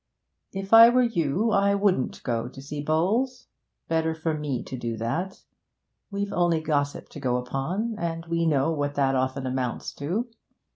'If I were you I wouldn't go to see Bowles. Better for me to do that. We've only gossip to go upon, and we know what that often amounts to.